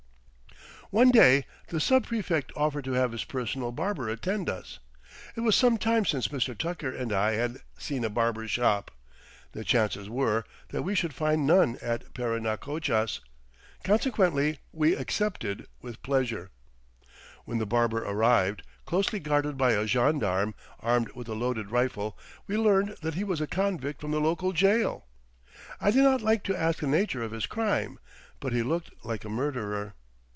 One day the sub prefect offered to have his personal barber attend us. It was some time since Mr. Tucker and I had seen a barber shop. The chances were that we should find none at Parinacochas. Consequently we accepted with pleasure. When the barber arrived, closely guarded by a gendarme armed with a loaded rifle, we learned that he was a convict from the local jail! I did not like to ask the nature of his crime, but he looked like a murderer.